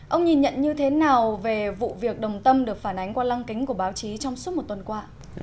ông nhìn nhận như thế nào về vụ việc đồng tâm được phản ánh qua lăng kính của báo chí trong suốt một tuần qua